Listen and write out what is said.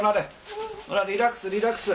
ほらリラックスリラックス。